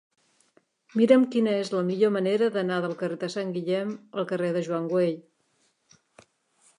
Mira'm quina és la millor manera d'anar del carrer de Sant Guillem al carrer de Joan Güell.